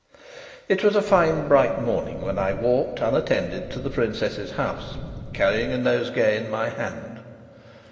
It was a fine bright morning when I walked, unattended, to the princess's house, carrying a nosegay in my hand.